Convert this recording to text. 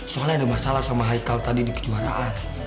soalnya ada masalah sama highalle tadi di kejuaraan